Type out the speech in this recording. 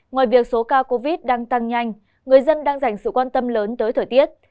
ngoài việc số ca covid đang tăng nhanh người dân đang dành sự quan tâm lớn tới thời tiết